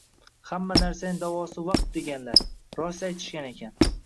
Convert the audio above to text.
Hamma narsaning davosi vaqt deganlar, rost aytishgan ekan